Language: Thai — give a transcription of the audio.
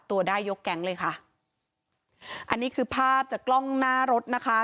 ตัวได้ยกแก๊งเลยค่ะอันนี้คือภาพจากกล้องหน้ารถนะคะ